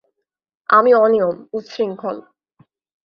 আমি অনিয়ম, উচ্ছৃঙ্খল।